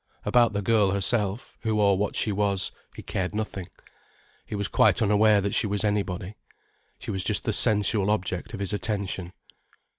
About the girl herself, who or what she was, he cared nothing, he was quite unaware that she was anybody. She was just the sensual object of his attention.